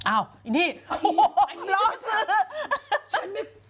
อ้าวนี่โอ้โหรอซื้อ